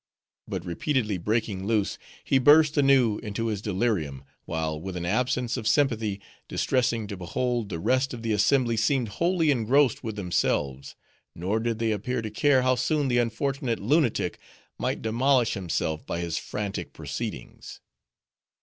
But repeatedly breaking loose, he burst anew into his delirium; while with an absence of sympathy, distressing to behold, the rest of the assembly seemed wholly engrossed with themselves; nor did they appear to care how soon the unfortunate lunatic might demolish himself by his frantic proceedings.